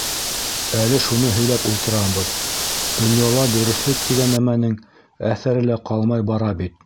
— Әле шуны һөйләп ултырабыҙ, донъяла дөрөҫлөк тигән нәмәнең әҫәре лә ҡалмай бара бит.